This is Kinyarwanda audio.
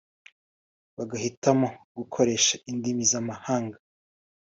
bagahitamo gukoresha indimi z’amahanga